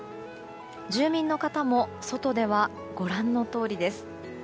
住民の方も外ではご覧のとおりです。